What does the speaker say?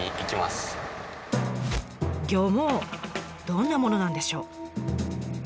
どんなものなんでしょう？